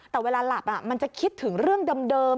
แต่เวลาหลับมันจะคิดถึงเรื่องเดิม